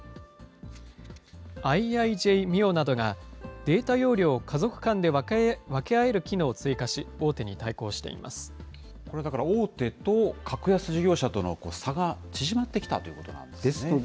ＩＩＪｍｉｏなどがデータ容量を家族間で分け合える機能を追加し、だから大手と格安事業者との差が縮まってきたということなんですね。